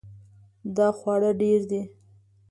دا خواړه ډیر دي